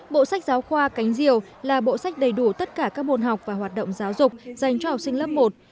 bộ sách giáo khoa cánh diều là bộ sách đầy đủ tất cả các môn học và hoạt động giáo dục dành cho học sinh lớp một